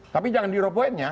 tapi jangan diroboin ya